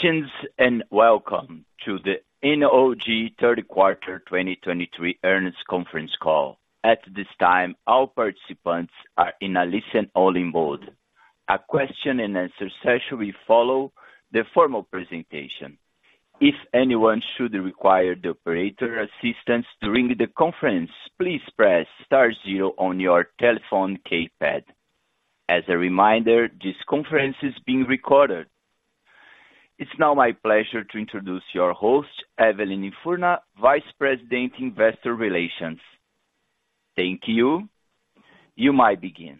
Greetings, and welcome to the NOG third quarter 2023 earnings conference call. At this time, all participants are in a listen only mode. A question and answer session will follow the formal presentation. If anyone should require the operator assistance during the conference, please press star zero on your telephone keypad. As a reminder, this conference is being recorded. It's now my pleasure to introduce your host, Evelyn Infurna, Vice President, Investor Relations. Thank you. You might begin.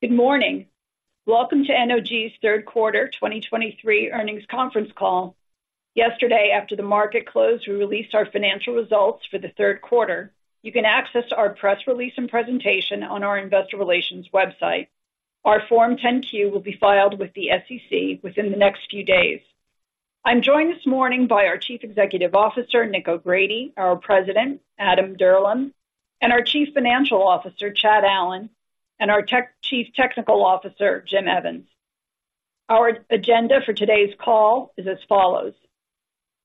Good morning. Welcome to NOG's third quarter 2023 earnings conference call. Yesterday, after the market closed, we released our financial results for the third quarter. You can access our press release and presentation on our investor relations website. Our Form 10-Q will be filed with the SEC within the next few days. I'm joined this morning by our Chief Executive Officer, Nick O'Grady, our President, Adam Dirlam, and our Chief Financial Officer, Chad Allen, and our Chief Technical Officer, Jim Evans. Our agenda for today's call is as follows: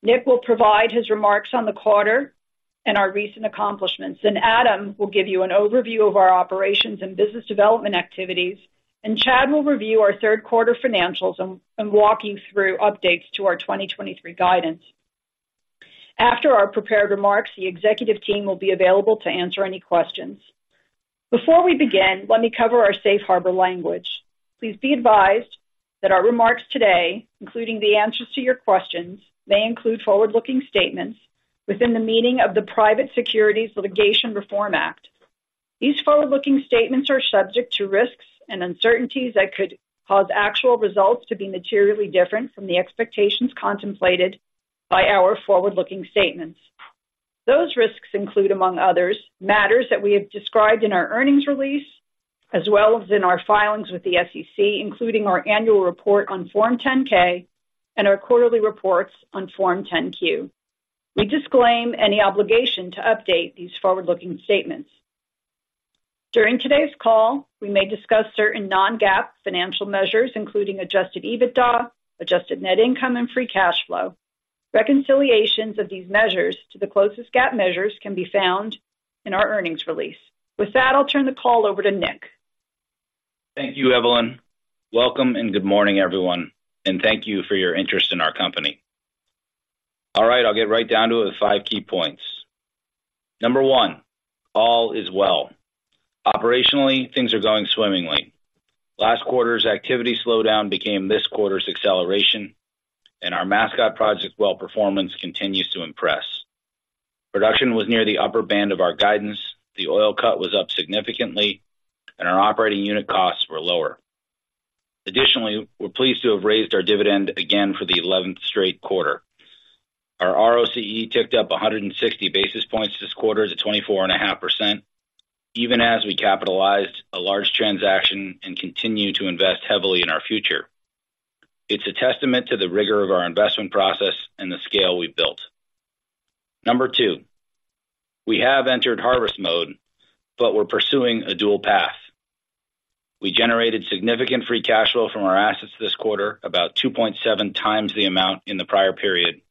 Nick will provide his remarks on the quarter and our recent accomplishments, then Adam will give you an overview of our operations and business development activities, and Chad will review our third quarter financials and walk through updates to our 2023 guidance. After our prepared remarks, the executive team will be available to answer any questions. Before we begin, let me cover our safe harbor language. Please be advised that our remarks today, including the answers to your questions, may include forward-looking statements within the meaning of the Private Securities Litigation Reform Act. These forward-looking statements are subject to risks and uncertainties that could cause actual results to be materially different from the expectations contemplated by our forward-looking statements. Those risks include, among others, matters that we have described in our earnings release, as well as in our filings with the SEC, including our annual report on Form 10-K and our quarterly reports on Form 10-Q. We disclaim any obligation to update these forward-looking statements. During today's call, we may discuss certain non-GAAP financial measures, including Adjusted EBITDA, Adjusted Net Income, and Free Cash Flow. Reconciliations of these measures to the closest GAAP measures can be found in our earnings release. With that, I'll turn the call over to Nick. Thank you, Evelyn. Welcome and good morning, everyone, and thank you for your interest in our company. All right, I'll get right down to the five key points. Number 1, all is well. Operationally, things are going swimmingly. Last quarter's activity slowdown became this quarter's acceleration, and our Mascot project well performance continues to impress. Production was near the upper band of our guidance. The oil cut was up significantly, and our operating unit costs were lower. Additionally, we're pleased to have raised our dividend again for the 11th straight quarter. Our ROCE ticked up 160 basis points this quarter to 24.5%, even as we capitalized a large transaction and continue to invest heavily in our future. It's a testament to the rigor of our investment process and the scale we've built. Number two, we have entered harvest mode, but we're pursuing a dual path. We generated significant free cash flow from our assets this quarter, about 2.7 times the amount in the prior period,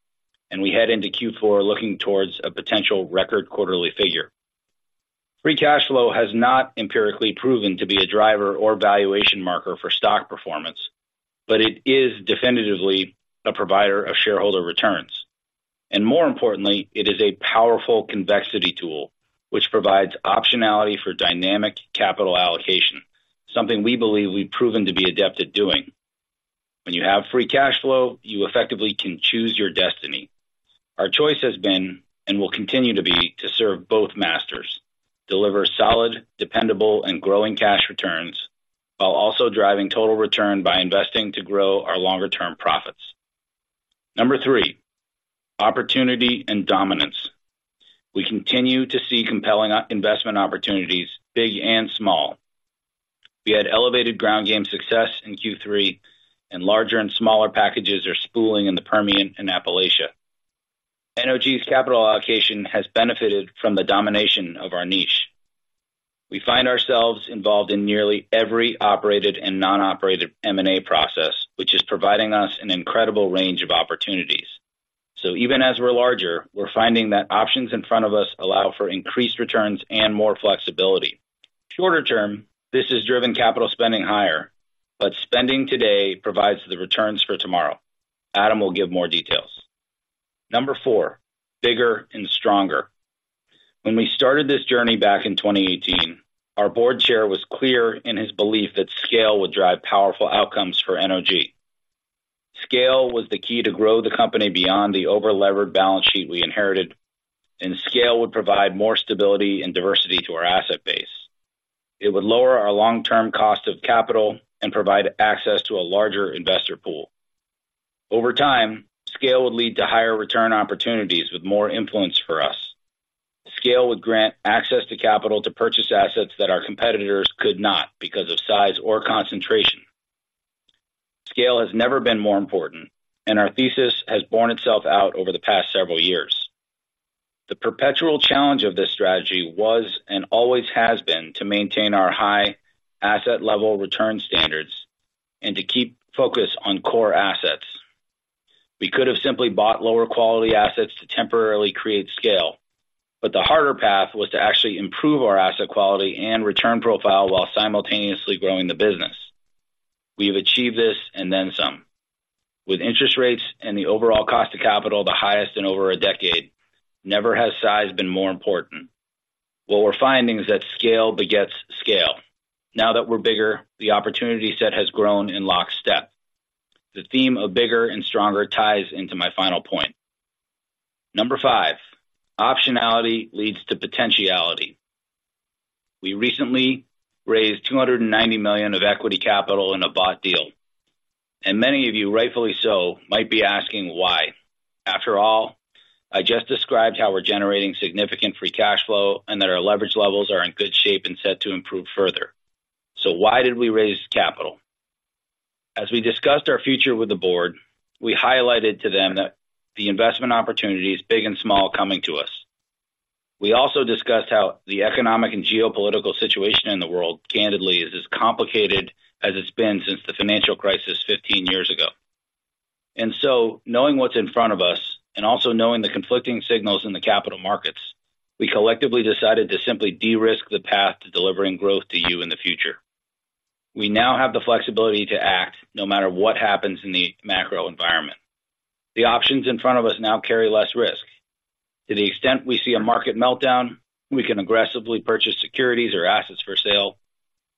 and we head into Q4 looking towards a potential record quarterly figure. Free cash flow has not empirically proven to be a driver or valuation marker for stock performance, but it is definitively a provider of shareholder returns. And more importantly, it is a powerful convexity tool, which provides optionality for dynamic capital allocation, something we believe we've proven to be adept at doing. When you have free cash flow, you effectively can choose your destiny. Our choice has been, and will continue to be, to serve both masters, deliver solid, dependable, and growing cash returns, while also driving total return by investing to grow our longer-term profits. Number three, opportunity and dominance. We continue to see compelling investment opportunities, big and small. We had elevated ground game success in Q3, and larger and smaller packages are spooling in the Permian and Appalachia. NOG's capital allocation has benefited from the domination of our niche. We find ourselves involved in nearly every operated and non-operated M&A process, which is providing us an incredible range of opportunities. So even as we're larger, we're finding that options in front of us allow for increased returns and more flexibility. Shorter term, this has driven capital spending higher, but spending today provides the returns for tomorrow. Adam will give more details. Number 4, bigger and stronger. When we started this journey back in 2018, our board chair was clear in his belief that scale would drive powerful outcomes for NOG. Scale was the key to grow the company beyond the overlevered balance sheet we inherited, and scale would provide more stability and diversity to our asset base. It would lower our long-term cost of capital and provide access to a larger investor pool. Over time, scale would lead to higher return opportunities with more influence for us. Scale would grant access to capital to purchase assets that our competitors could not because of size or concentration.... Scale has never been more important, and our thesis has borne itself out over the past several years. The perpetual challenge of this strategy was, and always has been, to maintain our high asset level return standards and to keep focus on core assets. We could have simply bought lower quality assets to temporarily create scale, but the harder path was to actually improve our asset quality and return profile while simultaneously growing the business. We have achieved this and then some. With interest rates and the overall cost of capital, the highest in over a decade, never has size been more important. What we're finding is that scale begets scale. Now that we're bigger, the opportunity set has grown in lockstep. The theme of bigger and stronger ties into my final point. Number 5: optionality leads to potentiality. We recently raised $290 million of equity capital in a bought deal, and many of you, rightfully so, might be asking why. After all, I just described how we're generating significant free cash flow and that our leverage levels are in good shape and set to improve further. So why did we raise capital? As we discussed our future with the board, we highlighted to them that the investment opportunities, big and small, are coming to us. We also discussed how the economic and geopolitical situation in the world, candidly, is as complicated as it's been since the financial crisis 15 years ago. And so knowing what's in front of us and also knowing the conflicting signals in the capital markets, we collectively decided to simply de-risk the path to delivering growth to you in the future. We now have the flexibility to act no matter what happens in the macro environment. The options in front of us now carry less risk. To the extent we see a market meltdown, we can aggressively purchase securities or assets for sale.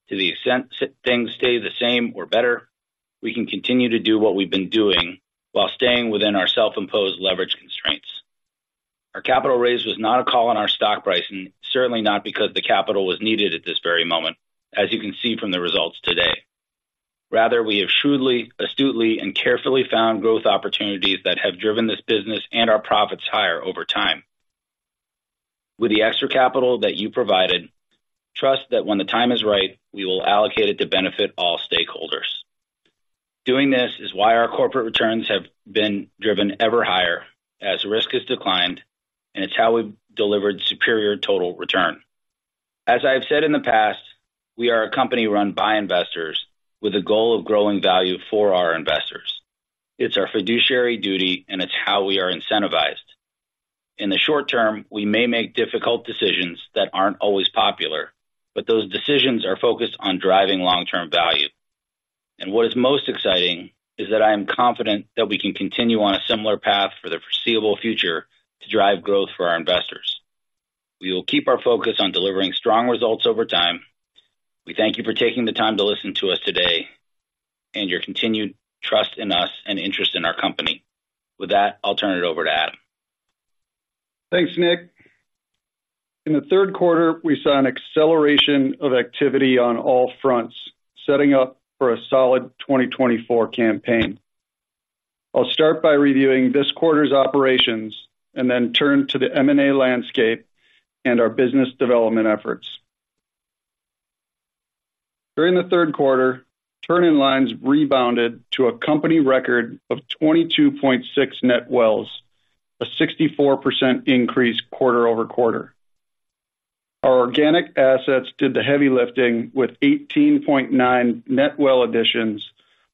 To the extent things stay the same or better, we can continue to do what we've been doing while staying within our self-imposed leverage constraints. Our capital raise was not a call on our stock price, and certainly not because the capital was needed at this very moment, as you can see from the results today. Rather, we have shrewdly, astutely, and carefully found growth opportunities that have driven this business and our profits higher over time. With the extra capital that you provided, trust that when the time is right, we will allocate it to benefit all stakeholders. Doing this is why our corporate returns have been driven ever higher as risk has declined, and it's how we've delivered superior total return. As I have said in the past, we are a company run by investors with a goal of growing value for our investors. It's our fiduciary duty, and it's how we are incentivized. In the short term, we may make difficult decisions that aren't always popular, but those decisions are focused on driving long-term value. What is most exciting is that I am confident that we can continue on a similar path for the foreseeable future to drive growth for our investors. We will keep our focus on delivering strong results over time. We thank you for taking the time to listen to us today and your continued trust in us and interest in our company. With that, I'll turn it over to Adam. Thanks, Nick. In the third quarter, we saw an acceleration of activity on all fronts, setting up for a solid 2024 campaign. I'll start by reviewing this quarter's operations and then turn to the M&A landscape and our business development efforts. During the third quarter, turn-in-lines rebounded to a company record of 22.6 net wells, a 64% increase quarter-over-quarter. Our organic assets did the heavy lifting with 18.9 net well additions,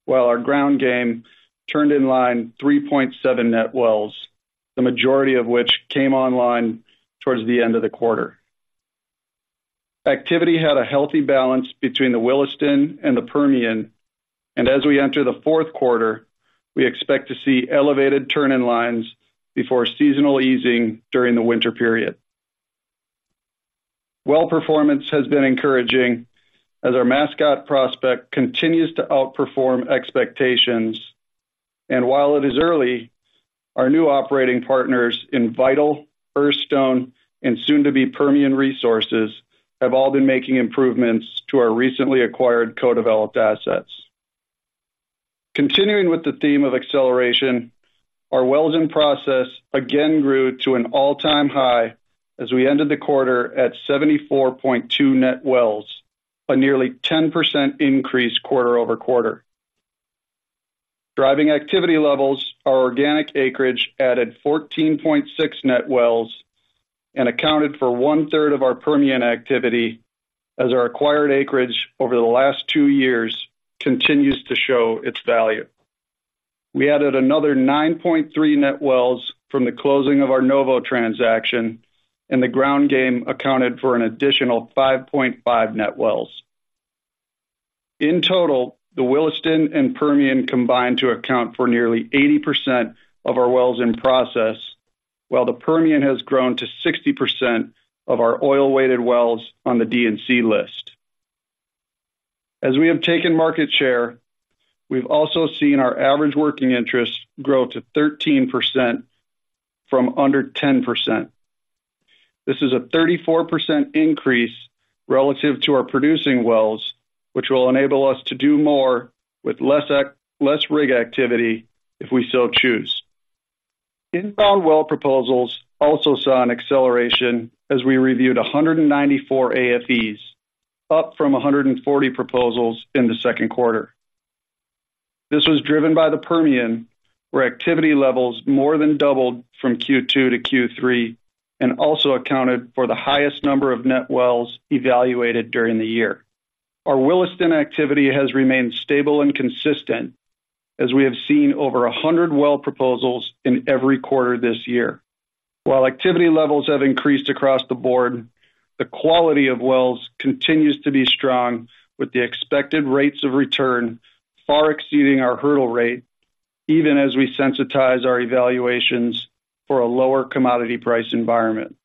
while our ground game turned in line 3.7 net wells, the majority of which came online towards the end of the quarter. Activity had a healthy balance between the Williston and the Permian, and as we enter the fourth quarter, we expect to see elevated turn-in-lines before seasonal easing during the winter period. Well, performance has been encouraging as our Mascot prospect continues to outperform expectations. While it is early, our new operating partners in Vital, Earthstone, and soon to be Permian Resources, have all been making improvements to our recently acquired co-developed assets. Continuing with the theme of acceleration, our wells in process again grew to an all-time high as we ended the quarter at 74.2 net wells, a nearly 10% increase quarter-over-quarter. Driving activity levels, our organic acreage added 14.6 net wells and accounted for one-third of our Permian activity, as our acquired acreage over the last two years continues to show its value. We added another 9.3 net wells from the closing of our Novo transaction, and the ground game accounted for an additional 5.5 net wells. In total, the Williston and Permian combined to account for nearly 80% of our wells in process, while the Permian has grown to 60% of our oil-weighted wells on the D&C list. As we have taken market share, we've also seen our average working interest grow to 13% from under 10%. This is a 34% increase relative to our producing wells, which will enable us to do more with less rig activity if we so choose. Inbound well proposals also saw an acceleration as we reviewed 194 AFEs, up from 140 proposals in the second quarter. This was driven by the Permian, where activity levels more than doubled from Q2 to Q3, and also accounted for the highest number of net wells evaluated during the year. Our Williston activity has remained stable and consistent, as we have seen over 100 well proposals in every quarter this year. While activity levels have increased across the board, the quality of wells continues to be strong, with the expected rates of return far exceeding our hurdle rate, even as we sensitize our evaluations for a lower commodity price environment.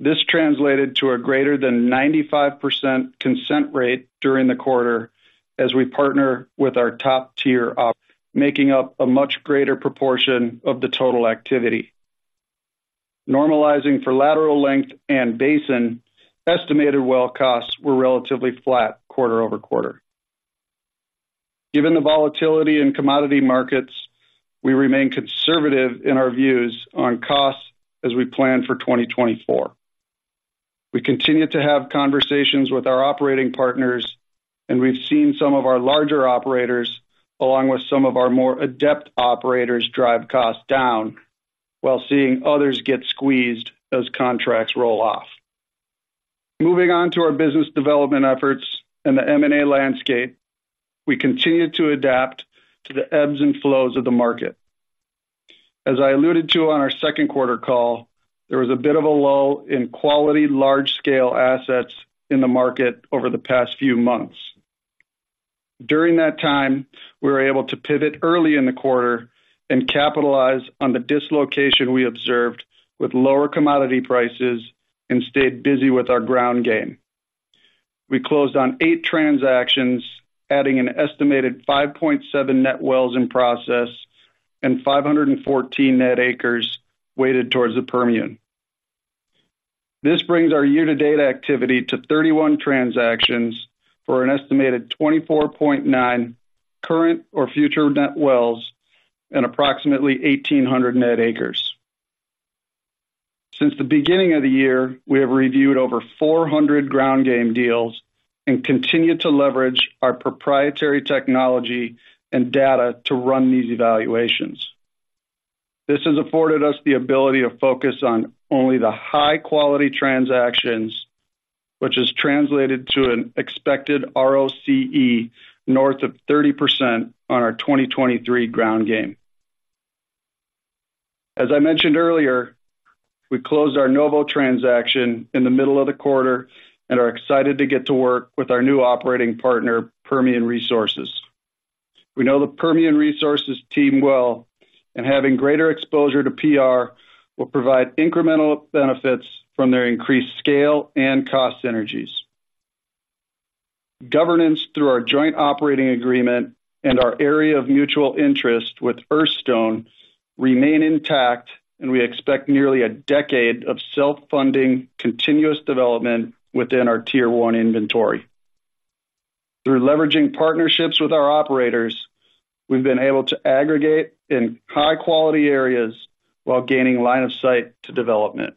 This translated to a greater than 95% consent rate during the quarter as we partner with our top tier op, making up a much greater proportion of the total activity. Normalizing for lateral length and basin, estimated well costs were relatively flat quarter-over-quarter. Given the volatility in commodity markets, we remain conservative in our views on costs as we plan for 2024. We continue to have conversations with our operating partners, and we've seen some of our larger operators, along with some of our more adept operators, drive costs down while seeing others get squeezed as contracts roll off. Moving on to our business development efforts and the M&A landscape, we continue to adapt to the ebbs and flows of the market. As I alluded to on our second quarter call, there was a bit of a lull in quality, large-scale assets in the market over the past few months. During that time, we were able to pivot early in the quarter and capitalize on the dislocation we observed with lower commodity prices and stayed busy with our ground game. We closed on 8 transactions, adding an estimated 5.7 net wells in process and 514 net acres weighted towards the Permian. This brings our year-to-date activity to 31 transactions for an estimated 24.9 current or future net wells and approximately 1,800 net acres. Since the beginning of the year, we have reviewed over 400 ground game deals and continued to leverage our proprietary technology and data to run these evaluations. This has afforded us the ability to focus on only the high-quality transactions, which has translated to an expected ROCE north of 30% on our 2023 ground game. As I mentioned earlier, we closed our Novo transaction in the middle of the quarter and are excited to get to work with our new operating partner, Permian Resources. We know the Permian Resources team well, and having greater exposure to PR will provide incremental benefits from their increased scale and cost synergies. Governance through our joint operating agreement and our area of mutual interest with Earthstone remain intact, and we expect nearly a decade of self-funding, continuous development within our Tier One inventory. Through leveraging partnerships with our operators, we've been able to aggregate in high-quality areas while gaining line of sight to development.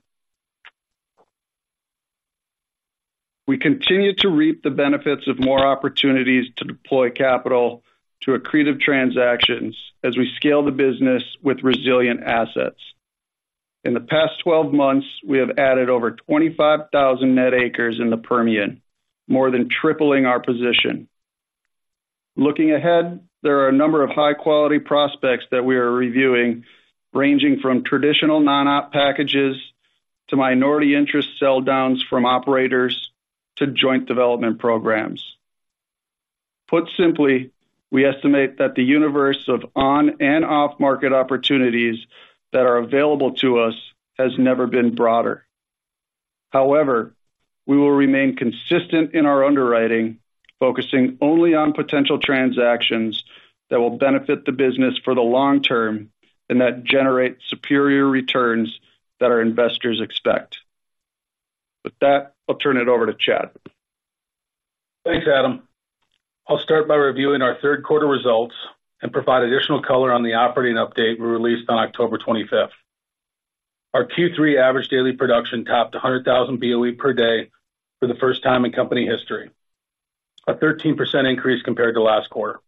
We continue to reap the benefits of more opportunities to deploy capital to accretive transactions as we scale the business with resilient assets. In the past 12 months, we have added over 25,000 net acres in the Permian, more than tripling our position. Looking ahead, there are a number of high-quality prospects that we are reviewing, ranging from traditional non-op packages to minority interest sell downs from operators to joint development programs. Put simply, we estimate that the universe of on and off-market opportunities that are available to us has never been broader. However, we will remain consistent in our underwriting, focusing only on potential transactions that will benefit the business for the long term and that generate superior returns that our investors expect. With that, I'll turn it over to Chad. Thanks, Adam. I'll start by reviewing our third quarter results and provide additional color on the operating update we released on October 25th. Our Q3 average daily production topped 100,000 BOE per day for the first time in company history, a 13% increase compared to last quarter.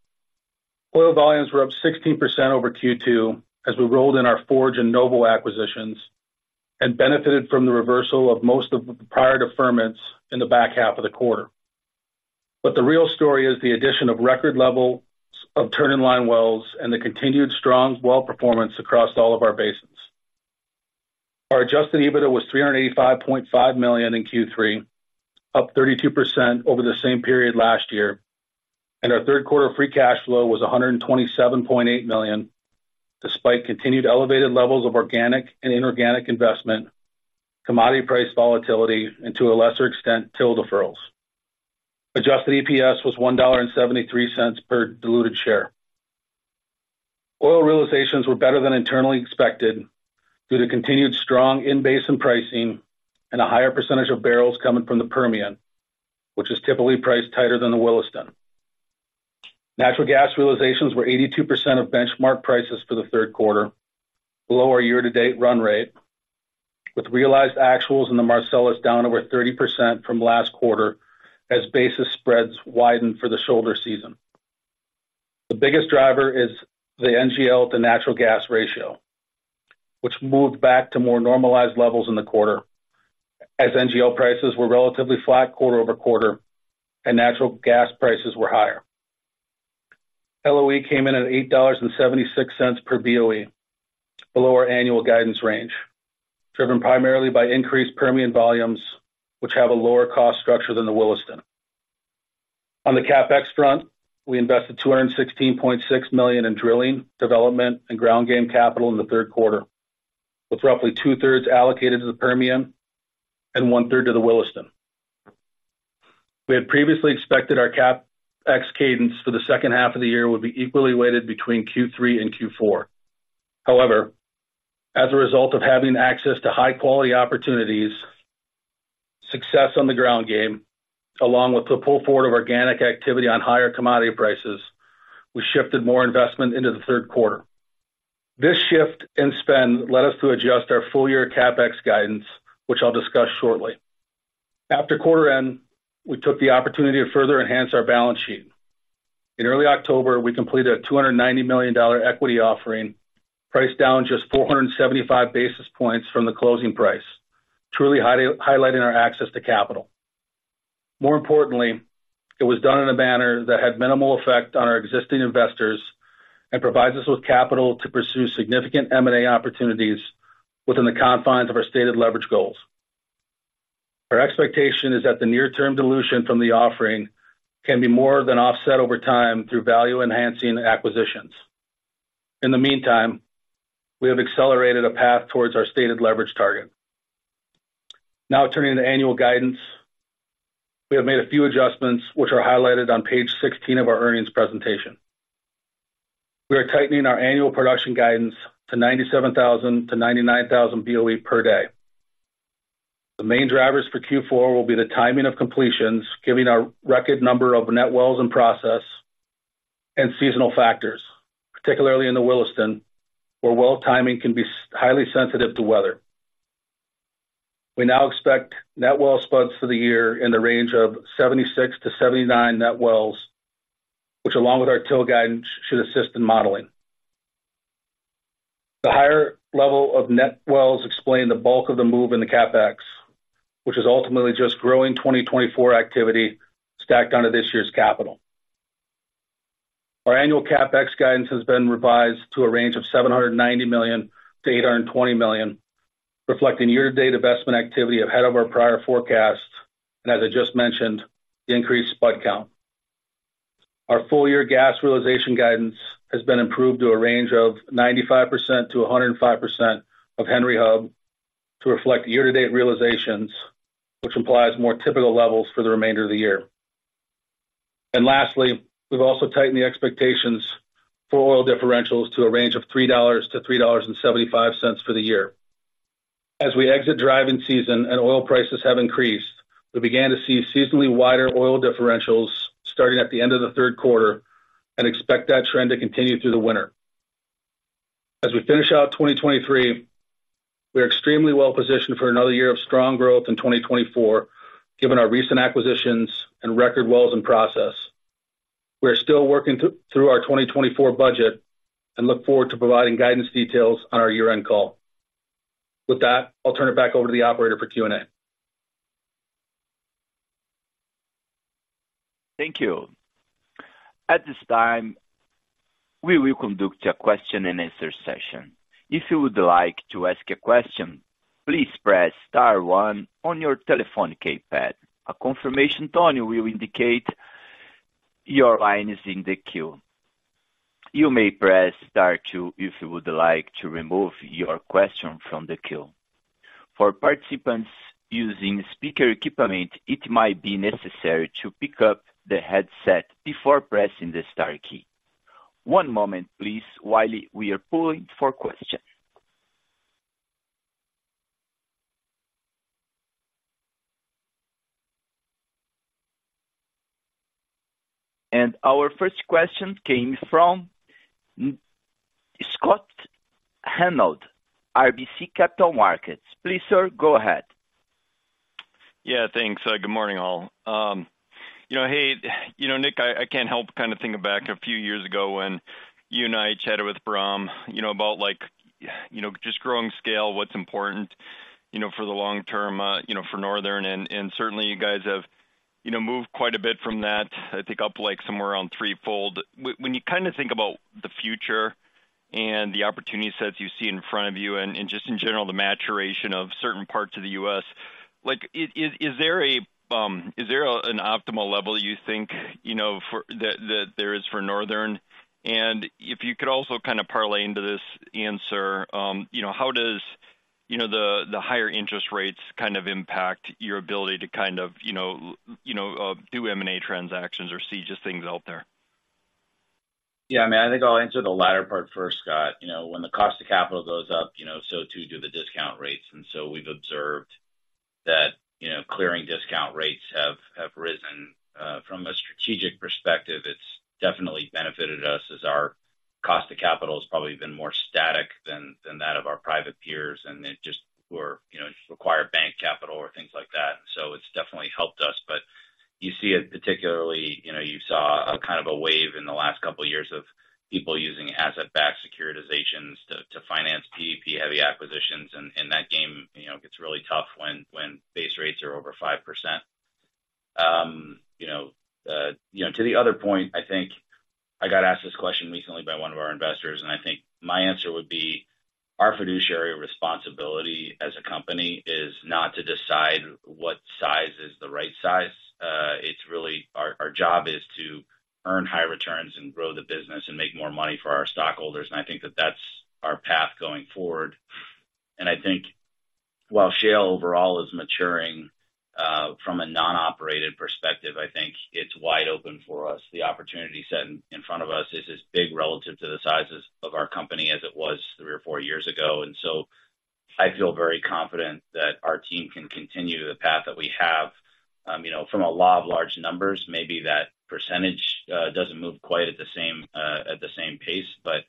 Oil volumes were up 16% over Q2 as we rolled in our Forge and Novo acquisitions and benefited from the reversal of most of the prior deferments in the back half of the quarter. But the real story is the addition of record levels of turn-in-line wells and the continued strong well performance across all of our basins. Our adjusted EBITDA was $385.5 million in Q3, up 32% over the same period last year, and our third quarter Free Cash Flow was $127.8 million, despite continued elevated levels of organic and inorganic investment, commodity price volatility, and to a lesser extent, TIL deferrals. Adjusted EPS was $1.73 per diluted share. Oil realizations were better than internally expected due to continued strong in-basin pricing and a higher percentage of barrels coming from the Permian, which is typically priced tighter than the Williston.... Natural gas realizations were 82% of benchmark prices for the third quarter, below our year-to-date run rate, with realized actuals in the Marcellus down over 30% from last quarter as basis spreads widened for the shoulder season. The biggest driver is the NGL to natural gas ratio, which moved back to more normalized levels in the quarter as NGL prices were relatively flat quarter over quarter and natural gas prices were higher. LOE came in at $8.76 per BOE, below our annual guidance range, driven primarily by increased Permian volumes, which have a lower cost structure than the Williston. On the CapEx front, we invested $216.6 million in drilling, development, and ground game capital in the third quarter, with roughly two-thirds allocated to the Permian and one-third to the Williston. We had previously expected our CapEx cadence for the second half of the year would be equally weighted between Q3 and Q4. However, as a result of having access to high-quality opportunities, success on the ground game, along with the pull forward of organic activity on higher commodity prices, we shifted more investment into the third quarter. This shift in spend led us to adjust our full-year CapEx guidance, which I'll discuss shortly. After quarter end, we took the opportunity to further enhance our balance sheet. In early October, we completed a $290 million equity offering, priced down just 475 basis points from the closing price, highlighting our access to capital. More importantly, it was done in a manner that had minimal effect on our existing investors and provides us with capital to pursue significant M&A opportunities within the confines of our stated leverage goals. Our expectation is that the near-term dilution from the offering can be more than offset over time through value-enhancing acquisitions. In the meantime, we have accelerated a path towards our stated leverage target. Now turning to annual guidance. We have made a few adjustments, which are highlighted on page 16 of our earnings presentation. We are tightening our annual production guidance to 97,000-99,000 BOE per day. The main drivers for Q4 will be the timing of completions, giving our record number of net wells in process and seasonal factors, particularly in the Williston, where well timing can be highly sensitive to weather. We now expect net well spuds for the year in the range of 76-79 net wells, which, along with our TIL guidance, should assist in modeling. The higher level of net wells explain the bulk of the move in the CapEx, which is ultimately just growing 2024 activity stacked onto this year's capital. Our annual CapEx guidance has been revised to a range of $790 million-$820 million, reflecting year-to-date investment activity ahead of our prior forecast, and as I just mentioned, the increased spud count. Our full-year gas realization guidance has been improved to a range of 95%-105% of Henry Hub to reflect year-to-date realizations, which implies more typical levels for the remainder of the year. And lastly, we've also tightened the expectations for oil differentials to a range of $3-$3.75 for the year. As we exit driving season and oil prices have increased, we began to see seasonally wider oil differentials starting at the end of the third quarter and expect that trend to continue through the winter. As we finish out 2023, we are extremely well positioned for another year of strong growth in 2024, given our recent acquisitions and record wells in process. We are still working through our 2024 budget and look forward to providing guidance details on our year-end call. With that, I'll turn it back over to the operator for Q&A. Thank you. At this time, we will conduct a question-and-answer session. If you would like to ask a question, please press star one on your telephone keypad. A confirmation tone will indicate your line is in the queue. You may press star two if you would like to remove your question from the queue. For participants using speaker equipment, it might be necessary to pick up the headset before pressing the star key. One moment, please, while we are pulling for questions. Our first question came from Scott Hanold, RBC Capital Markets. Please, sir, go ahead. Yeah, thanks. Good morning, all. You know, hey, you know, Nick, I, I can't help but kind of think back a few years ago when you and I chatted with Bahram, you know, about, like, you know, just growing scale, what's important, you know, for the long term, you know, for Northern. And certainly, you guys have, you know, moved quite a bit from that, I think, up, like, somewhere around threefold. When you kind of think about the future and the opportunity sets you see in front of you and just in general, the maturation of certain parts of the U.S., like, is there an optimal level you think, you know, for-- that there is for Northern? If you could also kind of parlay into this answer, you know, how does, you know, the higher interest rates kind of impact your ability to kind of, you know, you know, do M&A transactions or see just things out there? Yeah, I mean, I think I'll answer the latter part first, Scott. You know, when the cost of capital goes up, you know, so too do the discount rates. And so we've observed that, you know, clearing discount rates have risen. From a strategic perspective, it's definitely benefited us as our cost of capital has probably been more static than that of our private peers, and, you know, we just require bank capital or things like that. So it's definitely helped us. But you see it particularly, you know, you saw a kind of a wave in the last couple of years of people using asset-backed securitizations to finance PDP-heavy acquisitions. And that game, you know, gets really tough when base rates are over 5%. You know, you know, to the other point, I think I got asked this question recently by one of our investors, and I think my answer would be: Our fiduciary responsibility as a company is not to decide what size is the right size. It's really our, our job is to earn high returns and grow the business and make more money for our stockholders, and I think that that's our path going forward. And I think while shale overall is maturing, from a non-operated perspective, I think it's wide open for us. The opportunity set in, in front of us is as big relative to the sizes of our company as it was three or four years ago. And so I feel very confident that our team can continue the path that we have. You know, from a law of large numbers, maybe that percentage doesn't move quite at the same pace, but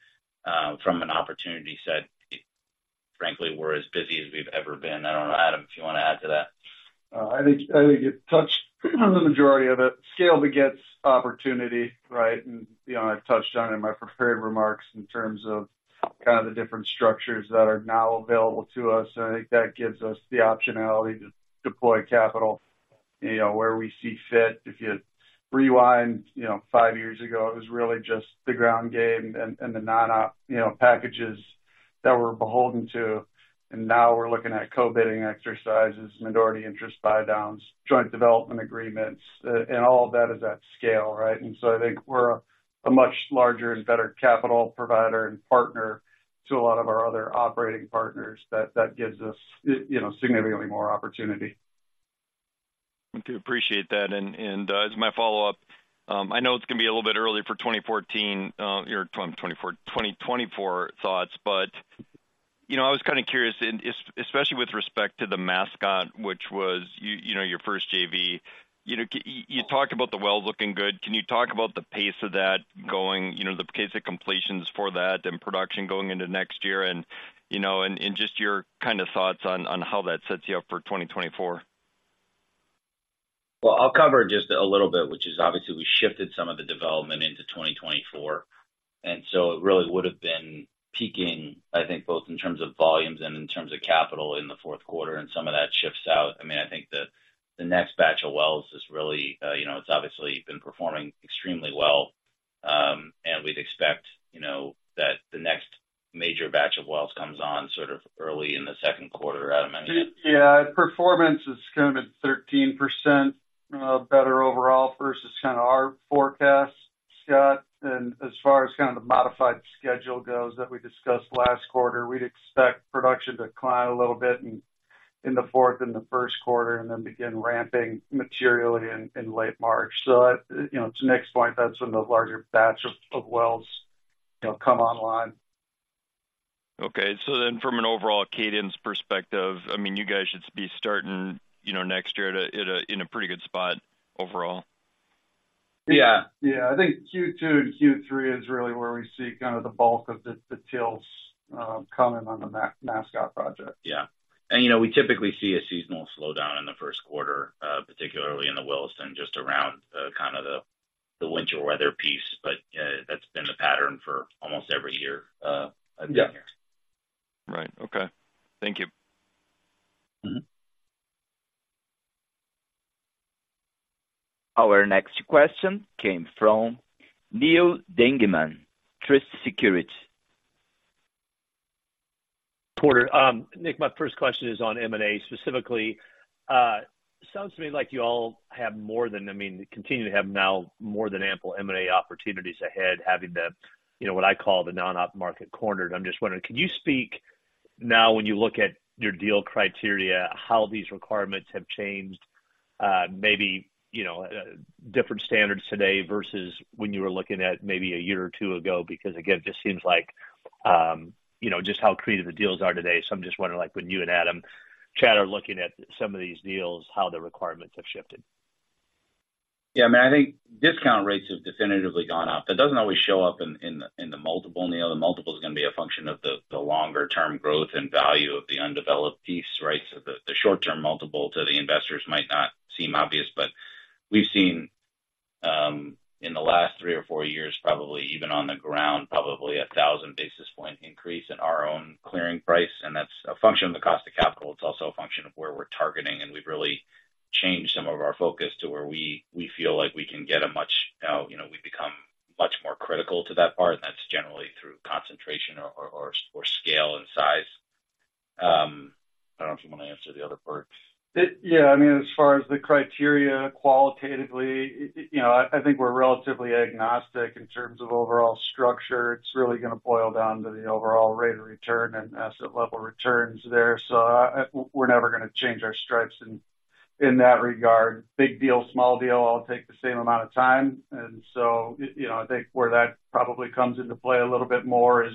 from an opportunity set, frankly, we're as busy as we've ever been. I don't know, Adam, if you want to add to that. I think it touched the majority of it. Scale begets opportunity, right? And, you know, I've touched on it in my prepared remarks in terms of kind of the different structures that are now available to us, and I think that gives us the optionality to deploy capital, you know, where we see fit. If you rewind, you know, five years ago, it was really just the ground game and the non-op, you know, packages that we're beholden to. And now we're looking at co-bidding exercises, minority interest buydowns, joint development agreements, and all of that is at scale, right? And so I think we're a much larger and better capital provider and partner to a lot of our other operating partners, that gives us, you know, significantly more opportunity. Thank you. Appreciate that. As my follow-up, I know it's going to be a little bit early for 2024 thoughts, but you know, I was kind of curious, and especially with respect to the Mascot, which was, you know, your first JV. You know, you talked about the well looking good. Can you talk about the pace of that going, you know, the pace of completions for that and production going into next year? And you know, just your kind of thoughts on how that sets you up for 2024. Well, I'll cover just a little bit, which is obviously we shifted some of the development into 2024, and so it really would've been peaking, I think, both in terms of volumes and in terms of capital in the fourth quarter, and some of that shifts out. I mean, I think the, the next batch of wells is really, you know, it's obviously been performing extremely well. We'd expect, you know, that the next major batch of wells comes on sort of early in the second quarter. Adam, anything? Yeah, performance is kind of at 13%, better overall versus kind of our forecast, Scott. And as far as kind of the modified schedule goes that we discussed last quarter, we'd expect production to decline a little bit in the fourth and the first quarter, and then begin ramping materially in late March. So, you know, to Nick's point, that's when the larger batch of wells, you know, come online. Okay. So then from an overall cadence perspective, I mean, you guys should be starting, you know, next year in a pretty good spot overall. Yeah. Yeah. I think Q2 and Q3 is really where we see kind of the bulk of the TIL coming on the Mascot project. Yeah. And, you know, we typically see a seasonal slowdown in the first quarter, particularly in the Williston, just around kind of the winter weather piece, but that's been the pattern for almost every year I've been here. Right. Okay. Thank you. Mm-hmm. Our next question came from Neal Dingmann, Truist Securities. Porter, Nick, my first question is on M&A. Specifically, sounds to me like you all have more than... I mean, continue to have now more than ample M&A opportunities ahead, having the, you know, what I call the non-op market cornered. I'm just wondering, can you speak now when you look at your deal criteria, how these requirements have changed, maybe, you know, different standards today versus when you were looking at maybe a year or two ago? Because, again, it just seems like, you know, just how creative the deals are today. So I'm just wondering, like, when you and Adam chat are looking at some of these deals, how the requirements have shifted. Yeah, I mean, I think discount rates have definitively gone up. That doesn't always show up in the multiple, Neil. The multiple is going to be a function of the longer-term growth and value of the undeveloped piece, right? So the short-term multiple to the investors might not seem obvious, but we've seen in the last three or four years, probably even on the ground, probably a 1,000 basis point increase in our own clearing price, and that's a function of the cost of capital. It's also a function of where we're targeting, and we've really changed some of our focus to where we feel like we can get a much, you know, we become much more critical to that part, and that's generally through concentration or scale and size. I don't know if you want to answer the other part. Yeah, I mean, as far as the criteria, qualitatively, you know, I think we're relatively agnostic in terms of overall structure. It's really going to boil down to the overall rate of return and asset level returns there. So, we're never gonna change our stripes in that regard, big deal, small deal, all take the same amount of time. And so, you know, I think where that probably comes into play a little bit more is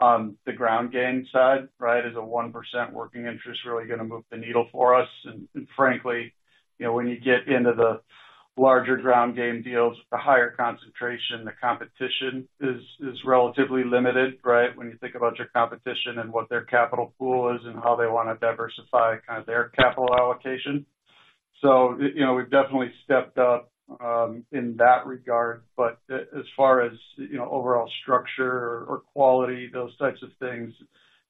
on the ground game side, right? Is a 1% working interest really going to move the needle for us? And frankly, you know, when you get into the larger ground game deals, the higher concentration, the competition is relatively limited, right? When you think about your competition and what their capital pool is and how they want to diversify kind of their capital allocation. So, you know, we've definitely stepped up in that regard. But as far as, you know, overall structure or quality, those types of things,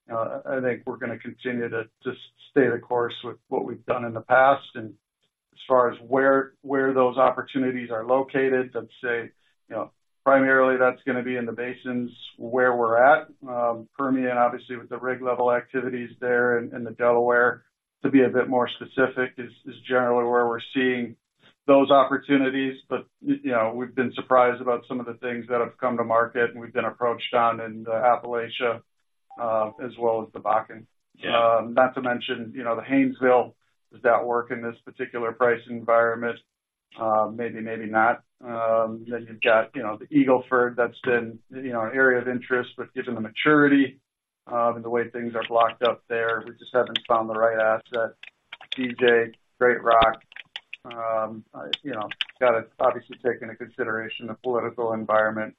I think we're going to continue to just stay the course with what we've done in the past. And as far as where those opportunities are located, I'd say, you know, primarily that's going to be in the basins where we're at. Permian, obviously, with the rig level activities there in the Delaware, to be a bit more specific, is generally where we're seeing those opportunities. But you know, we've been surprised about some of the things that have come to market, and we've been approached on in the Appalachia as well as the Bakken. Yeah. Not to mention, you know, the Haynesville. Does that work in this particular price environment? Maybe, maybe not. Then you've got, you know, the Eagle Ford, that's been, you know, an area of interest. But given the maturity, and the way things are blocked up there, we just haven't found the right asset. DJ, Great Western or Grey Rock, you know, got to obviously take into consideration the political environment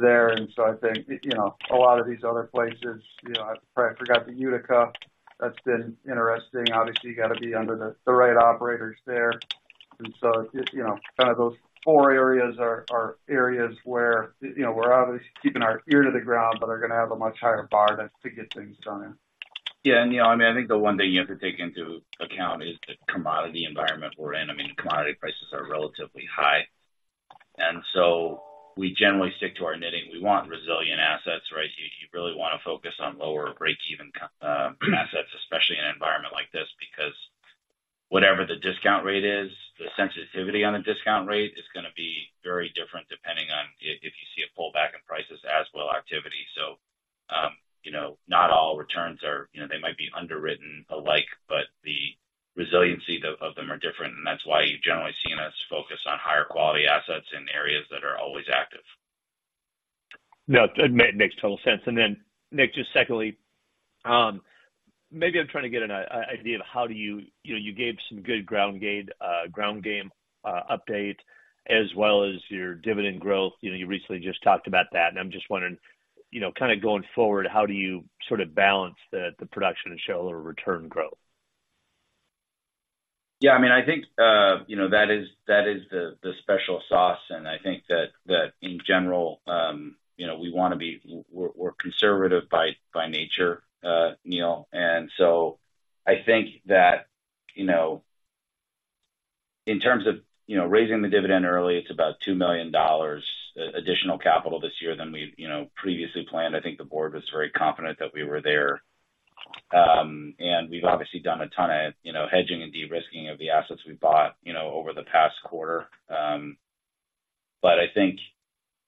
there. And so I think, you know, a lot of these other places, you know, I probably forgot the Utica. That's been interesting. Obviously, you got to be under the right operators there. And so, you know, kind of those four areas are areas where, you know, we're obviously keeping our ear to the ground, but are going to have a much higher bar to get things done in. Yeah, and, you know, I mean, I think the one thing you have to take into account is the commodity environment we're in. I mean, commodity prices are relatively high, and so we generally stick to our knitting. We want resilient assets, right? You really want to focus on lower breakeven co-assets, especially in an environment like this, because whatever the discount rate is, the sensitivity on the discount rate is going to be very different depending on if you see a pullback in prices as well, activity. So, you know, not all returns are... You know, they might be underwritten alike, but the resiliency of them are different. And that's why you've generally seen us focus on higher quality assets in areas that are always active. Yeah, that makes total sense. And then, Nick, just secondly, maybe I'm trying to get an idea of how do you—you know, you gave some good ground game update, as well as your dividend growth. You know, you recently just talked about that, and I'm just wondering, you know, kind of going forward, how do you sort of balance the production and shareholder return growth? Yeah, I mean, I think you know that is the special sauce, and I think that in general you know we want to be... We're conservative by nature, Neil. And so I think that you know in terms of you know raising the dividend early, it's about $2 million additional capital this year than we've you know previously planned. I think the board was very confident that we were there. And we've obviously done a ton of you know hedging and de-risking of the assets we bought you know over the past quarter. But I think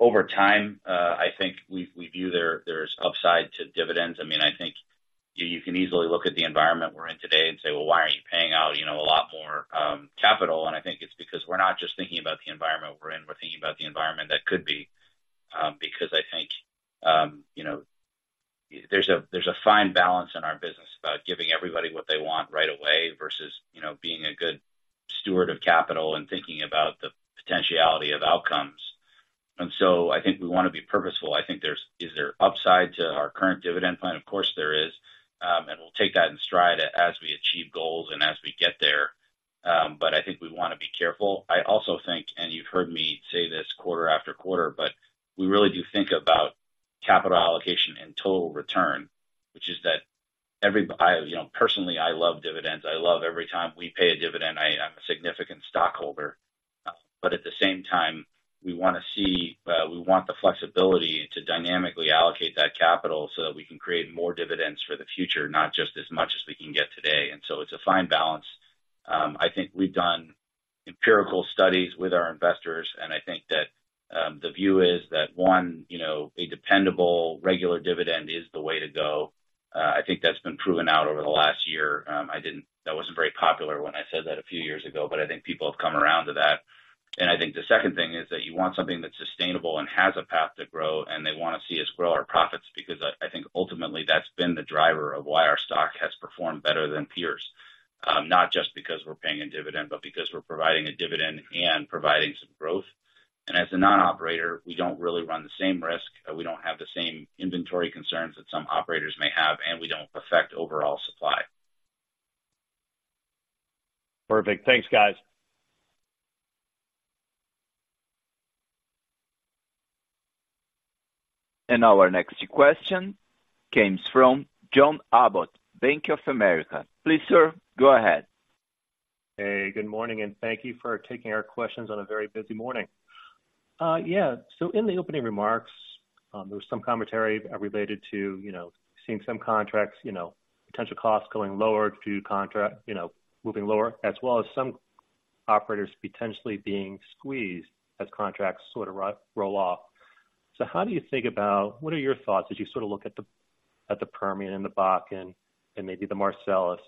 over time I think we view there's upside to dividends. I mean, I think you can easily look at the environment there is. And we'll take that in stride as we achieve goals and as we get there. But I think we want to be careful. I also think, and you've heard me say this quarter after quarter, but we really do think about capital allocation and total return, which is that, I, you know, personally, I love dividends. I love every time we pay a dividend. I'm a significant stockholder. But at the same time, we want to see, we want the flexibility to dynamically allocate that capital so that we can create more dividends for the future, not just as much as we can get today. And so it's a fine balance. I think we've done empirical studies with our investors, and I think that, the view is that, one, you know, a dependable regular dividend is the way to go. I think that's been proven out over the last year. That wasn't very popular when I said that a few years ago, but I think people have come around to that. And I think the second thing is that you want something that's sustainable and has a path to grow, and they want to see us grow our profits, because I think ultimately, that's been the driver of why our stock has performed better than peers. Not just because we're paying a dividend, but because we're providing a dividend and providing some growth. And as a non-operator, we don't really run the same risk, we don't have the same inventory concerns that some operators may have, and we don't affect overall supply. Perfect. Thanks, guys. Our next question comes from John Abbott, Bank of America. Please, sir, go ahead. Hey, good morning, and thank you for taking our questions on a very busy morning. Yeah, so in the opening remarks, there was some commentary related to, you know, seeing some contracts, you know, potential costs going lower due to contract, you know, moving lower, as well as some operators potentially being squeezed as contracts sort of roll off. So how do you think about what are your thoughts as you sort of look at the Permian and the Bakken and maybe the Marcellus,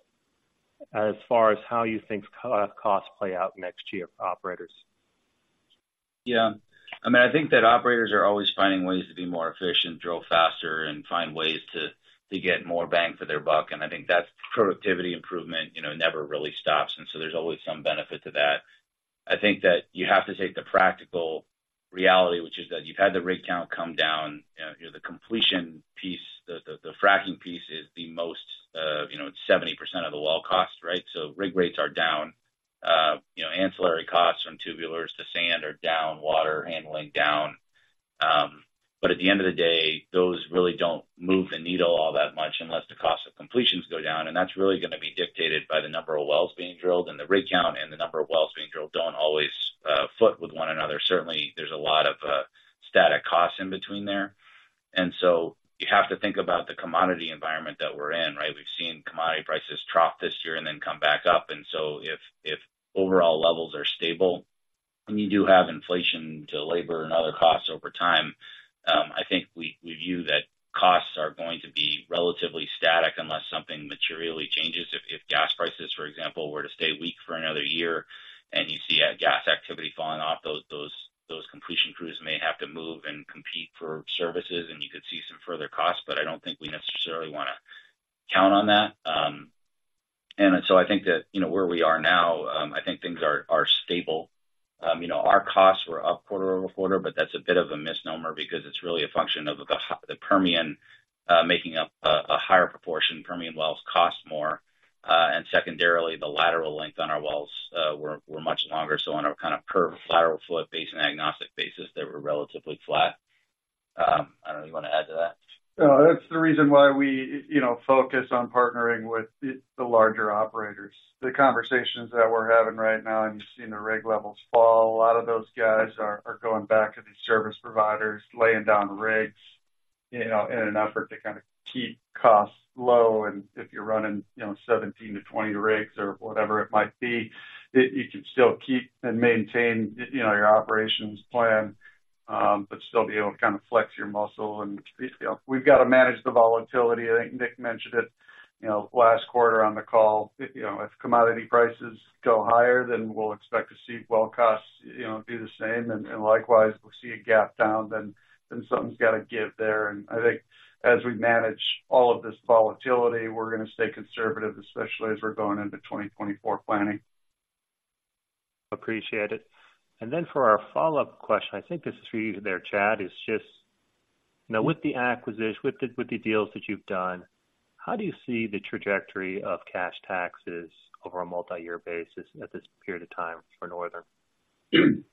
as far as how you think costs play out next year for operators? Yeah. I mean, I think that operators are always finding ways to be more efficient, drill faster, and find ways to get more bang for their buck. And I think that's productivity improvement, you know, never really stops, and so there's always some benefit to that. I think that you have to take the practical reality, which is that you've had the rig count come down. You know, the completion piece, the fracking piece is the most, you know, it's 70% of the well cost, right? So rig rates are down. You know, ancillary costs from tubulars to sand are down, water handling, down. But at the end of the day, those really don't move the needle all that much unless the cost of completions go down, and that's really gonna be dictated by the number of wells being drilled, and the rig count, and the number of wells being drilled don't always foot with one another. Certainly, there's a lot of static costs in between there. And so you have to think about the commodity environment that we're in, right? We've seen commodity prices drop this year and then come back up, and so if overall levels are stable and you do have inflation to labor and other costs over time, I think we view that costs are going to be relatively static unless something materially changes. If gas prices, for example, were to stay weak for another year and you see a gas activity falling off, those completion crews may have to move and compete for services, and you could see some further costs, but I don't think we necessarily wanna count on that. And so I think that, you know, where we are now, I think things are stable. You know, our costs were up quarter-over-quarter, but that's a bit of a misnomer because it's really a function of the Permian making up a higher proportion. Permian wells cost more, and secondarily, the lateral length on our wells were much longer. So on a kind of per lateral foot basis and agnostic basis, they were relatively flat. I don't know, you wanna add to that? No, that's the reason why we, you know, focus on partnering with the larger operators. The conversations that we're having right now, and you've seen the rig levels fall, a lot of those guys are going back to the service providers, laying down rigs, you know, in an effort to kind of keep costs low. And if you're running, you know, 17-20 rigs or whatever it might be, it, you can still keep and maintain, you know, your operations plan, but still be able to kind of flex your muscle. And, you know, we've got to manage the volatility. I think Nick mentioned it, you know, last quarter on the call. You know, if commodity prices go higher, then we'll expect to see well costs, you know, do the same. And likewise, we'll see a gap down, then something's got to give there. I think as we manage all of this volatility, we're gonna stay conservative, especially as we're going into 2024 planning. Appreciate it. Then for our follow-up question, I think this is for you there, Chad, is just, you know, with the acquisition, with the deals that you've done, how do you see the trajectory of cash taxes over a multi-year basis at this period of time for Northern?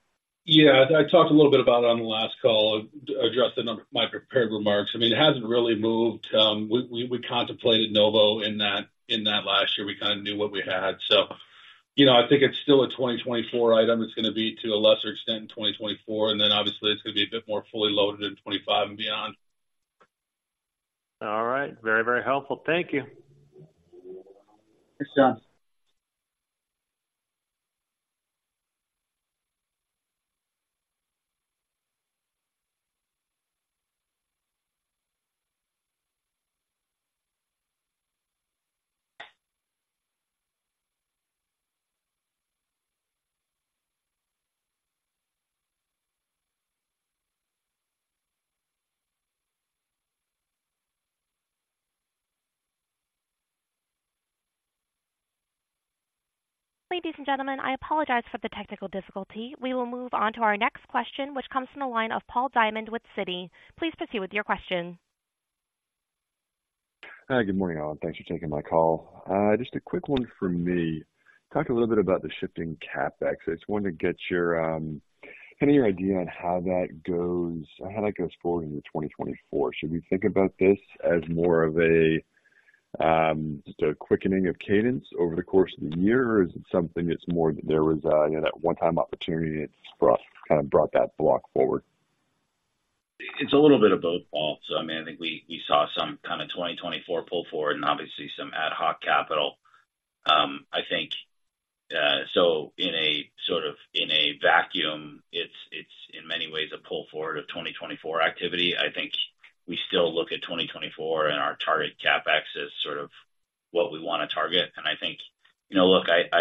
Yeah, I talked a little bit about it on the last call, addressed it on my prepared remarks. I mean, it hasn't really moved. We contemplated Novo in that, in that last year. We kinda knew what we had. So, you know, I think it's still a 2024 item. It's gonna be to a lesser extent in 2024, and then obviously it's gonna be a bit more fully loaded in 2025 and beyond. All right. Very, very helpful. Thank you. Thanks, John. Ladies and gentlemen, I apologize for the technical difficulty. We will move on to our next question, which comes from the line of Paul Diamond with Citi. Please proceed with your question. Good morning, all. Thanks for taking my call. Just a quick one from me. Talk a little bit about the shifting CapEx. I just wanted to get your kind of your idea on how that goes, how that goes forward into 2024. Should we think about this as more of a just a quickening of cadence over the course of the year, or is it something that's more there was, you know, that one-time opportunity, it's kind of brought that block forward? It's a little bit of both, Paul. So, I mean, I think we saw some kind of 2024 pull forward and obviously some ad hoc capital. I think so in a sort of, in a vacuum, it's in many ways a pull forward of 2024 activity. I think we still look at 2024, and our target CapEx is sort of what we wanna target. And I think, you know, look, I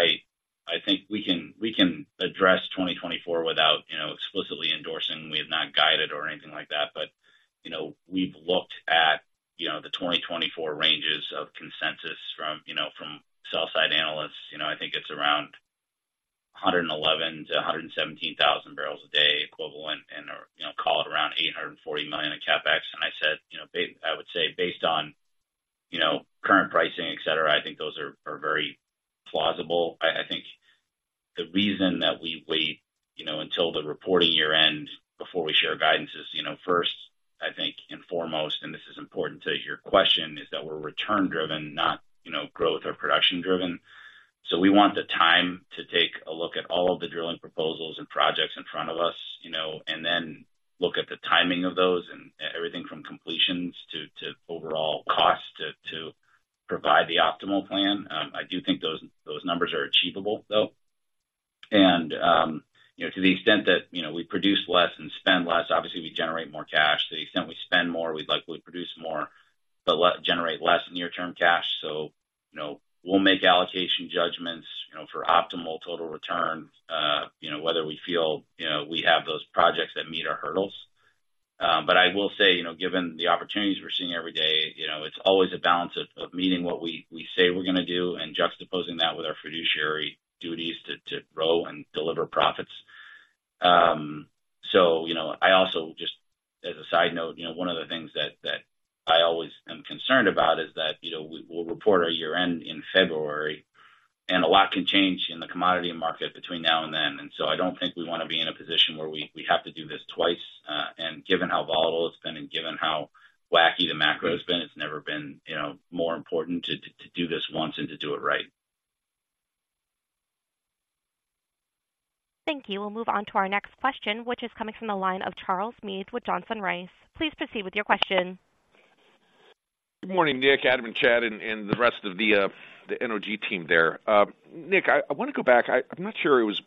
think we can address 2024 without, you know, explicitly endorsing. We have not guided or anything like that. But, you know, we've looked at the 2024 ranges of consensus from sell-side analysts. You know, I think it's around 111-117 thousand barrels a day equivalent, and, you know, call it around $840 million in CapEx. And I said, you know, I would say based on, you know, current pricing, et cetera, I think those are very plausible. I think the reason that we wait, you know, until the reporting year ends before we share guidance is, you know, first, I think, and foremost, and this is important to your question, is that we're return driven, not, you know, growth or production driven. So we want the time to take a look at all of the drilling proposals and projects in front of us, you know, and then look at the timing of those and everything from completions to overall costs to provide the optimal plan. I do think those, those numbers are achievable, though. You know, to the extent that, you know, we produce less and spend less, obviously, we generate more cash. To the extent we spend more, we'd likely produce more, but generate less near-term cash. So, you know, we'll make allocation judgments, you know, for optimal total return, you know, whether we feel, you know, we have those projects that meet our hurdles. But I will say, you know, given the opportunities we're seeing every day, you know, it's always a balance of meeting what we say we're going to do and juxtaposing that with our fiduciary duties to grow and deliver profits. So, you know, I also just as a side note, you know, one of the things that, that I always am concerned about is that, you know, we, we'll report our year-end in February, and a lot can change in the commodity market between now and then. And so I don't think we want to be in a position where we, we have to do this twice. And given how volatile it's been and given how wacky the macro has been, it's never been, you know, more important to, to, to do this once and to do it right. Thank you. We'll move on to our next question, which is coming from the line of Charles Meade with Johnson Rice. Please proceed with your question. Good morning, Nick, Adam, and Chad, and the rest of the NOG team there. Nick, I want to go back. I'm not sure it was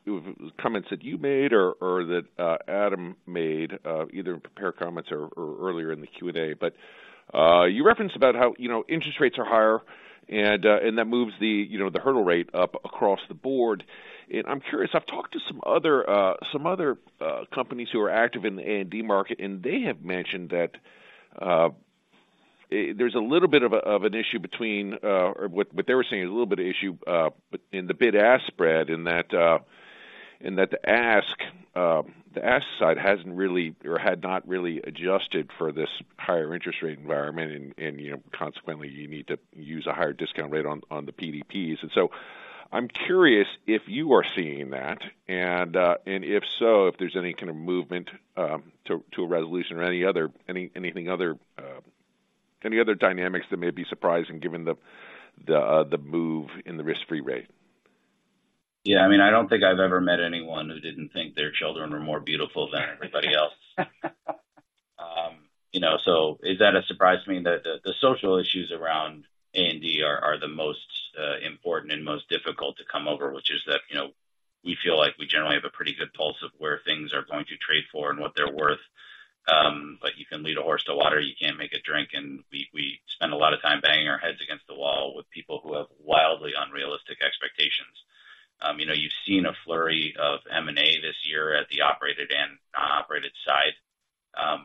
comments that you made or that Adam made, either in prepared comments or earlier in the Q&A. But you referenced about how, you know, interest rates are higher, and that moves the, you know, the hurdle rate up across the board. I'm curious. I've talked to some other companies who are active in the A&D market, and they have mentioned that there's a little bit of an issue between... or what, what they were saying, a little bit of issue in the bid-ask spread, in that, in that the ask, the ask side hasn't really or had not really adjusted for this higher interest rate environment, and, and, you know, consequently, you need to use a higher discount rate on the PDPs. And so I'm curious if you are seeing that, and, and if so, if there's any kind of movement to a resolution or any other, anything other, any other dynamics that may be surprising given the, the, the move in the risk-free rate? Yeah, I mean, I don't think I've ever met anyone who didn't think their children were more beautiful than everybody else. You know, so is that a surprise to me? That the social issues around A&D are the most important and most difficult to come over, which is that, you know, we feel like we generally have a pretty good pulse of where things are going to trade for and what they're worth. But you can lead a horse to water, you can't make a drink, and we spend a lot of time banging our heads against the wall with people who have wildly unrealistic expectations. You know, you've seen a flurry of M&A this year at the operated and non-operated side,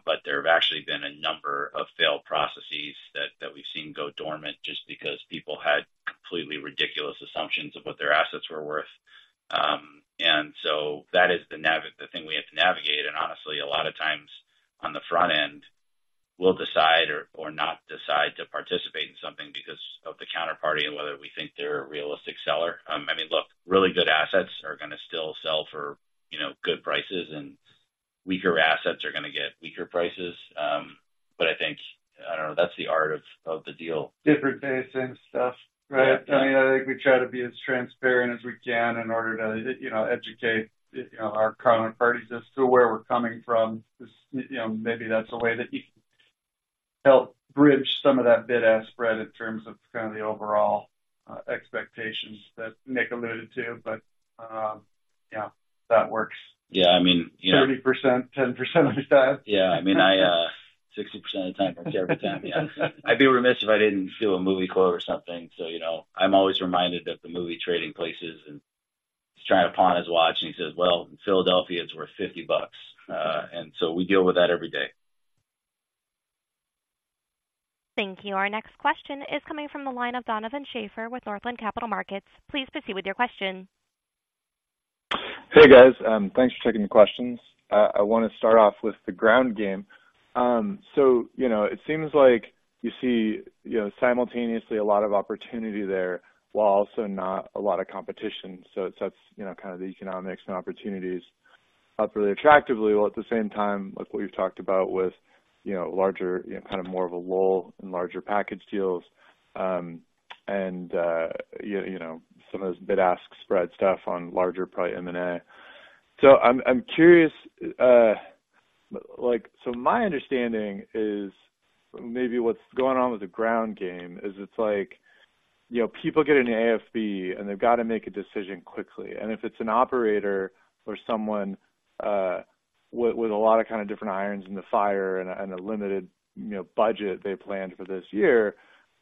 but there have actually been a number of failed processes that we've seen go dormant just because people had completely ridiculous assumptions of what their assets were worth. And so that is the thing we have to navigate. And honestly, a lot of times on the front end, we'll decide or not decide to participate in something because of the counterparty and whether we think they're a realistic seller. I mean, look, really good assets are going to still sell for, you know, good prices, and weaker assets are going to get weaker prices. But I think, I don't know, that's the art of the deal. Different day, same stuff, right? Yeah. I mean, I think we try to be as transparent as we can in order to, you know, educate, you know, our counterparties as to where we're coming from. You know, maybe that's a way that you can help bridge some of that bid-ask spread in terms of kind of the overall expectations that Nick alluded to. But, yeah, that works. Yeah, I mean, yeah. 30%, 10% of the time. Yeah, I mean, I 60% of the time, every time. Yeah. I'd be remiss if I didn't do a movie quote or something. So, you know, I'm always reminded of the movie Trading Places, and he's trying to pawn his watch, and he says, "Well, in Philadelphia, it's worth $50." And so we deal with that every day. Thank you. Our next question is coming from the line of Donovan Schafer with Northland Capital Markets. Please proceed with your question. Hey, guys. Thanks for taking the questions. I want to start off with the ground game. So, you know, it seems like you see, you know, simultaneously a lot of opportunity there, while also not a lot of competition. So it sets, you know, kind of the economics and opportunities up really attractively, while at the same time, like what you've talked about with, you know, larger, you know, kind of more of a lull in larger package deals, and, you know, some of those bid-ask spread stuff on larger probably M&A. So I'm curious, like... So my understanding is, maybe what's going on with the ground game is it's like, you know, people get an AFE, and they've got to make a decision quickly. And if it's an operator or someone with a lot of kind of different irons in the fire and a limited, you know, budget they planned for this year,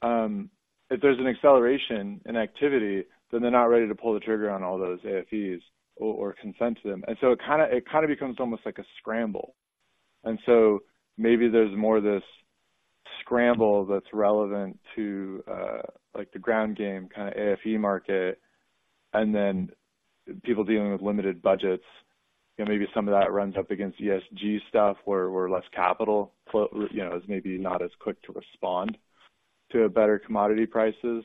if there's an acceleration in activity, then they're not ready to pull the trigger on all those AFEs or consent to them. And so it kind of becomes almost like a scramble. And so maybe there's more of this scramble that's relevant to, like, the ground game, kind of AFE market, and then people dealing with limited budgets. You know, maybe some of that runs up against ESG stuff, where less capital flow, you know, is maybe not as quick to respond to better commodity prices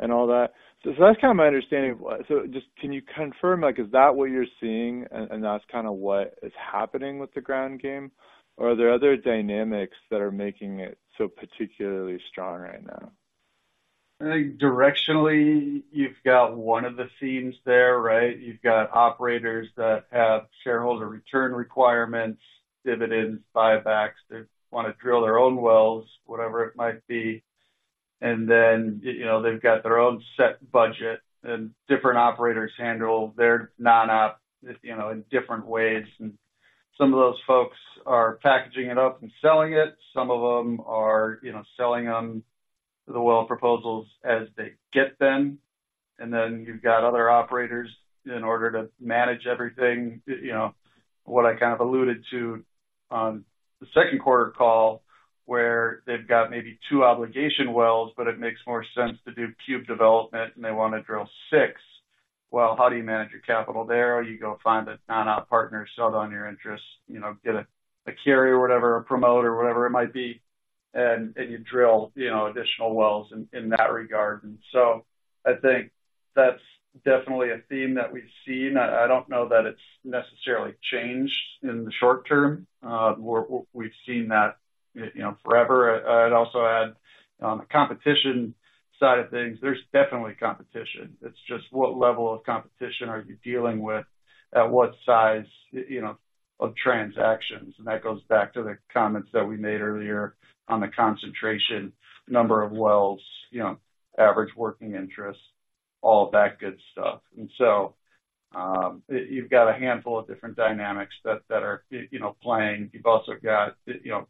and all that. So that's kind of my understanding of what. So just can you confirm, like, is that what you're seeing, and that's kind of what is happening with the ground game? Or are there other dynamics that are making it so particularly strong right now? I think directionally, you've got one of the themes there, right? You've got operators that have shareholder return requirements, dividends, buybacks. They want to drill their own wells, whatever it might be... And then, you know, they've got their own set budget, and different operators handle their non-op, you know, in different ways. And some of those folks are packaging it up and selling it. Some of them are, you know, selling them the well proposals as they get them. And then you've got other operators in order to manage everything, you know, what I kind of alluded to on the second quarter call, where they've got maybe two obligation wells, but it makes more sense to do cube development, and they wanna drill six. Well, how do you manage your capital there? You go find a non-op partner, sell down your interest, you know, get a carrier or whatever, a promoter, whatever it might be, and you drill, you know, additional wells in that regard. And so I think that's definitely a theme that we've seen. I don't know that it's necessarily changed in the short term. We've seen that, you know, forever. I'd also add, on the competition side of things, there's definitely competition. It's just what level of competition are you dealing with, at what size, you know, of transactions? And that goes back to the comments that we made earlier on the concentration, number of wells, you know, average working interests, all of that good stuff. And so, you've got a handful of different dynamics that are, you know, playing. You've also got, you know,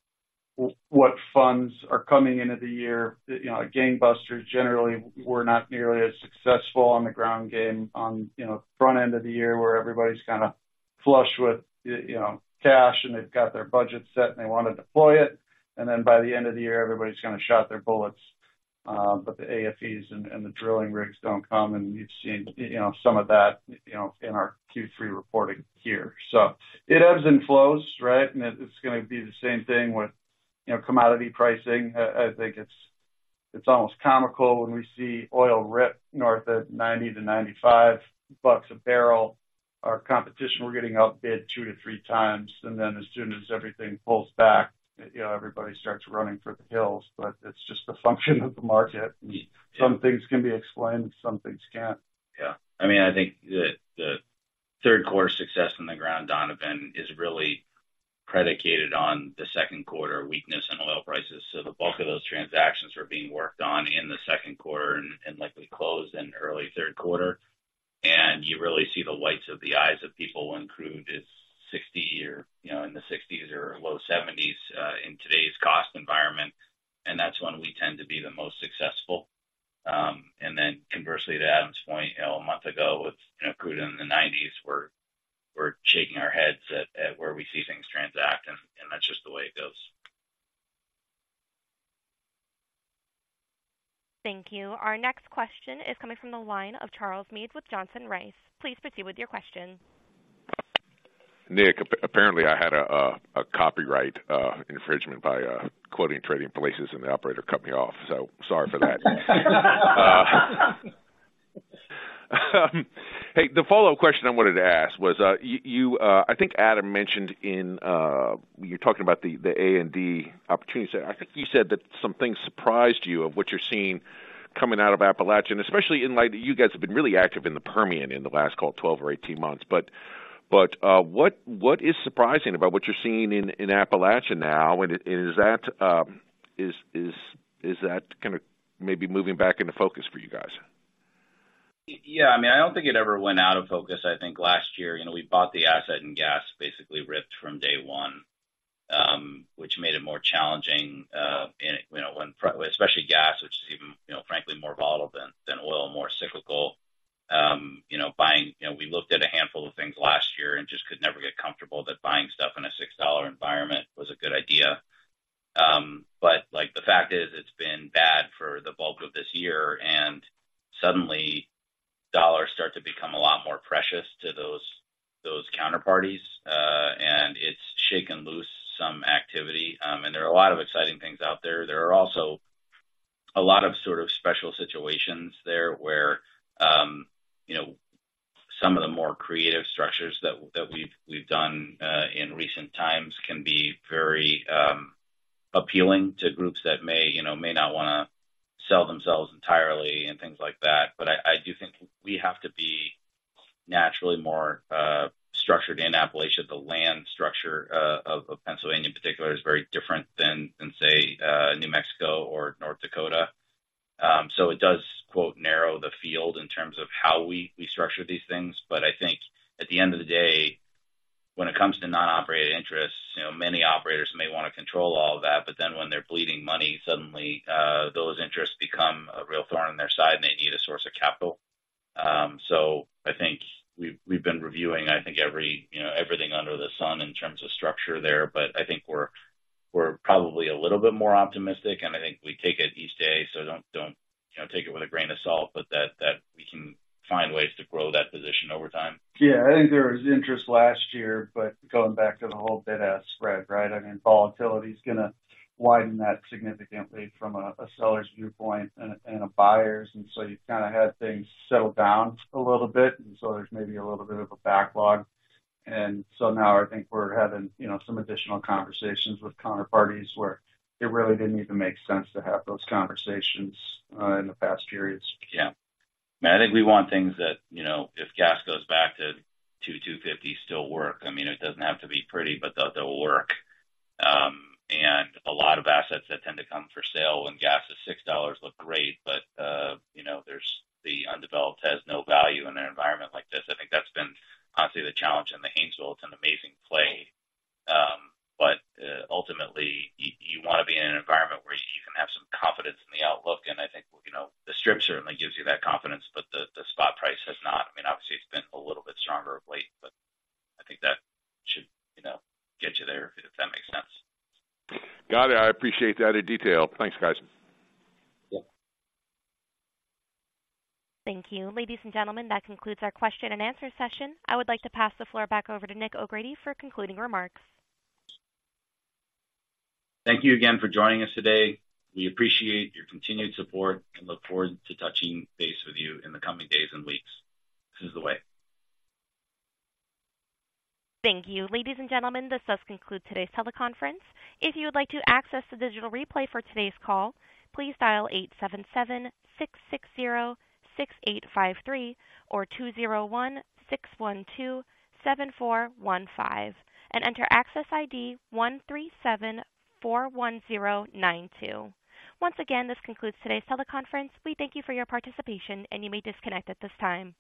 what funds are coming into the year. You know, gangbusters generally were not nearly as successful on the ground game on, you know, front end of the year, where everybody's kind of flush with you know, cash, and they've got their budget set, and they want to deploy it. And then by the end of the year, everybody's kind of shot their bullets. But the AFEs and the drilling rigs don't come, and you've seen, you know, some of that, you know, in our Q3 reporting here. So it ebbs and flows, right? And it's gonna be the same thing with, you know, commodity pricing. I think it's almost comical when we see oil rip north of $90-$95 a barrel. Our competition, we're getting outbid 2-3 times, and then as soon as everything pulls back, you know, everybody starts running for the hills. But it's just a function of the market. Some things can be explained, some things can't. Yeah. I mean, I think the, the third quarter success on the ground, Donovan, is really predicated on the second quarter weakness in oil prices. So the bulk of those transactions were being worked on in the second quarter and, and likely closed in early third quarter. And you really see the whites of the eyes of people when crude is $60 or, you know, in the 60s or low 70s, in today's cost environment, and that's when we tend to be the most successful. And then conversely, to Adam's point, you know, a month ago, with, you know, crude in the 90s, we're, we're shaking our heads at, at where we see things transact, and, and that's just the way it goes. Thank you. Our next question is coming from the line of Charles Meade with Johnson Rice. Please proceed with your question. Nick, apparently, I had a copyright infringement by quoting Trading Places, and the operator cut me off, so sorry for that. Hey, the follow-up question I wanted to ask was, you... I think Adam mentioned in you talking about the A&D opportunities. I think you said that some things surprised you of what you're seeing coming out of Appalachia, and especially in light of you guys have been really active in the Permian in the last, call it, 12 or 18 months. But what is surprising about what you're seeing in Appalachia now? And is that kind of maybe moving back into focus for you guys? Yeah, I mean, I don't think it ever went out of focus. I think last year, you know, we bought the asset, and gas basically ripped from day one, which made it more challenging, and, you know, when, especially gas, which is even, you know, frankly, more volatile than oil, more cyclical. You know, buying. You know, we looked at a handful of things last year and just could never get comfortable that buying stuff in a $6 environment was a good idea. But, like, the fact is, it's been bad for the bulk of this year, and suddenly, dollars start to become a lot more precious to those counterparties, and it's shaken loose some activity. And there are a lot of exciting things out there. There are also a lot of sort of special situations there where, you know, some of the more creative structures that we've done in recent times can be very appealing to groups that may, you know, may not wanna sell themselves entirely and things like that. But I do think we have to be naturally more structured in Appalachia. The land structure of Pennsylvania, in particular, is very different than in, say, New Mexico or North Dakota. So it does, quote, "narrow the field" in terms of how we structure these things. But I think at the end of the day, when it comes to non-operated interests, you know, many operators may want to control all of that, but then when they're bleeding money, suddenly, those interests become a real thorn in their side, and they need a source of capital. So I think we've been reviewing, I think every, you know, everything under the sun in terms of structure there, but I think we're probably a little bit more optimistic, and I think we take it each day, so don't... You know, take it with a grain of salt, but that we can find ways to grow that position over time. Yeah, I think there was interest last year, but going back to the whole bid-ask spread, right? I mean, volatility is gonna widen that significantly from a seller's viewpoint and a buyer's, and so you've kind of had things settle down a little bit, and so there's maybe a little bit of a backlog. And so now I think we're having, you know, some additional conversations with counterparties, where it really didn't even make sense to have those conversations in the past periods. Yeah. I think we want things that, you know, if gas goes back to $2, $2.50, still work. I mean, it doesn't have to be pretty, but they'll, they'll work. And a lot of assets that tend to come for sale when gas is $6 look great, but, you know, there's the undeveloped has no value in an environment like this. I think that's been honestly the challenge in the Haynesville. It's an amazing play, but, ultimately, you want to be in an environment where you can have some confidence in the outlook. And I think, you know, the strip certainly gives you that confidence, but the, the spot price has not. I mean, obviously, it's been a little bit stronger of late, but I think that should, you know, get you there, if that makes sense. Got it. I appreciate the added detail. Thanks, guys. Yeah. Thank you. Ladies and gentlemen, that concludes our question and answer session. I would like to pass the floor back over to Nick O'Grady for concluding remarks. Thank you again for joining us today. We appreciate your continued support and look forward to touching base with you in the coming days and weeks. This is the way. Thank you. Ladies and gentlemen, this does conclude today's teleconference. If you would like to access the digital replay for today's call, please dial 877-660-6853 or 201-612-7415 and enter access ID 13741092. Once again, this concludes today's teleconference. We thank you for your participation, and you may disconnect at this time.